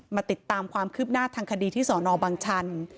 มาติดตามความคืบหน้าทางคดีที่สอนอบังชัน